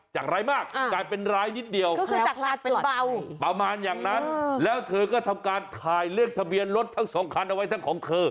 จากร้ายมากกลายเป็นร้ายนิดเดียวประมาณอย่างนั้นแล้วเธอก็ทำการถ่ายเลือกทะเบียนรถทั้งสองคันเอาไว้ทั้งของเธอ